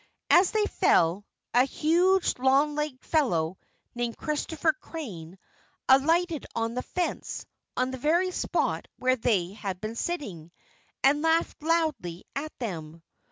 As they fell, a huge, long legged fellow named Christopher Crane alighted on the fence, on the very spot where they had been sitting, and laughed loudly at them.